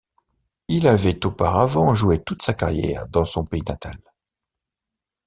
Il avait auparavant joué toute sa carrière dans son pays natal.